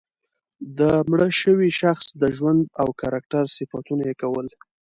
د مړه شوي شخص د ژوند او کرکټر صفتونه یې کول.